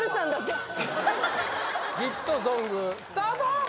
ヒットソングスタート！